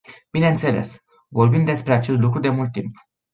Bineînțeles, vorbim despre acest lucru de mult timp.